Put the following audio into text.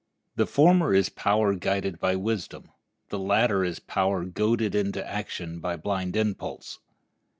The former is power guided by wisdom; the latter is power goaded to action by blind impulse.